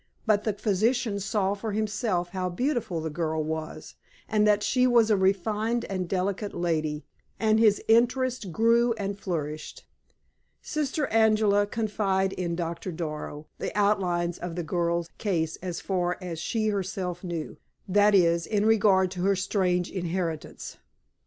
But the physician saw for himself how beautiful the girl was, and that she was a refined and delicate lady, and his interest grew and flourished. Sister Angela confided in Doctor Darrow the outlines of the girl's case as far as she herself knew, that is, in regard to her strange inheritance.